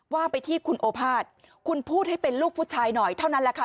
ว่าไปที่คุณโอภาษคุณพูดให้เป็นลูกผู้ชายหน่อยเท่านั้นแหละค่ะ